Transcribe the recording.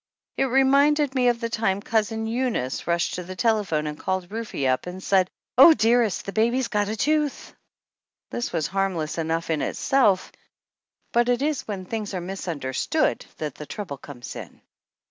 It reminded me of the time Cousin Eunice rushed to the telephone and called Rufe up and said, "Oh, dearest, the baby's got a tooth !" This was harmless enough in itself, but it is when things are misunderstood that the trouble comes in.